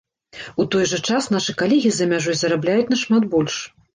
У той жа час, нашы калегі за мяжой зарабляюць нашмат больш.